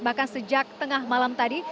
bahkan sejak tengah malam tadi